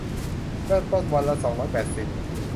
เริ่มต้นวันละ สองร้อยแปดสิบ